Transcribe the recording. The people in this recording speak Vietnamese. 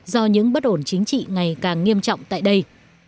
do những bất ổn chính trị ngày càng nghiêm trọng tại đây